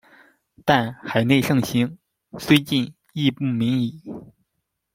但“海内盛行，虽禁亦不泯矣”。